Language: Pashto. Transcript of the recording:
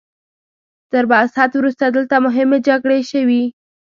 تر بعثت وروسته دلته مهمې جګړې شوي.